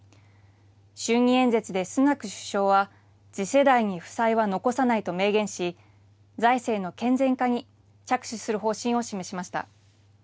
就任演説でスナク首相は、次世代に負債は残さないと明言し、財政の健全化に着手する方針を示しました。